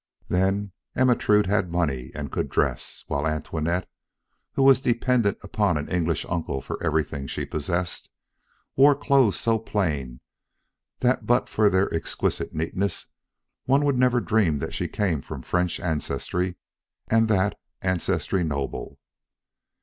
Then, Ermentrude had money and could dress, while Antoinette, who was dependent upon an English uncle for everything she possessed, wore clothes so plain that but for their exquisite neatness, one would never dream that she came from French ancestry, and that ancestry noble.